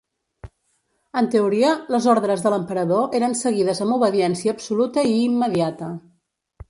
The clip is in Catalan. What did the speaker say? En teoria, les ordres de l'Emperador eren seguides amb obediència absoluta i immediata.